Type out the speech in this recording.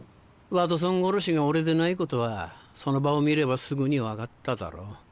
ワトソン殺しが俺でないことはその場を見ればすぐに分かっただろう。